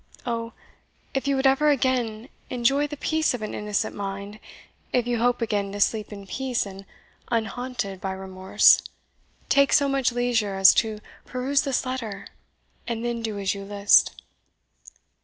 Oh, if you would ever again enjoy the peace of an innocent mind, if you hope again to sleep in peace and unhaunted by remorse, take so much leisure as to peruse this letter, and then do as you list."